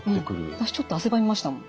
私ちょっと汗ばみましたもん。